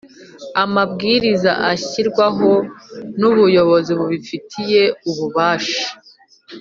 Amabwiriza ashyirwaho n ‘umuyobozi ubifitiye ububasha.